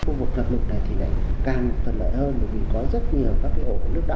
khu vực gặp lụt này thì lại càng thuận lợi hơn bởi vì có rất nhiều các ổ nước đỏ